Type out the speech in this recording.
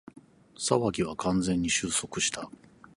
騒ぎは完全に収束した